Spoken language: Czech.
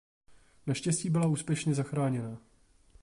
Naštěstí byla úspěšně zachráněna.